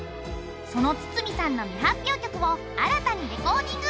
その筒美さんの未発表曲を新たにレコーディング。